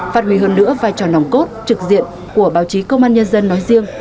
phát huy hơn nữa vai trò nòng cốt trực diện của báo chí công an nhân dân nói riêng